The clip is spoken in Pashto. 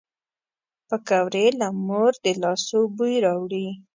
پکورې له مور د لاسو بوی راوړي